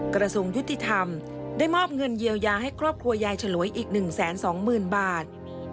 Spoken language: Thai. กระทรวงยุติธรรมได้มอบเงินเยียวยาให้ครอบครัวยายฉลวยอีก๑๒๐๐๐บาท